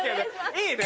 いいね！